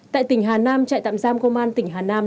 tại tỉnh hà nam trại tạm giam công an tỉnh hà nam